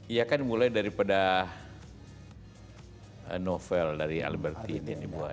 ia kan mulai daripada novel dari alif